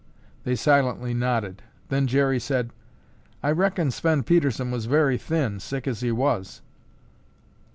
They silently nodded, then Jerry said, "I reckon Sven Pedersen was very thin, sick as he was."